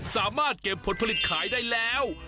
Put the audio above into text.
สามารถเก็บผลผลิตขายได้แล้ว